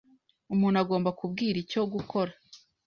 Umuntu agomba kubwira icyo gukora.